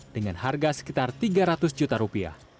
dengan harga sekitar tiga ratus juta rupiah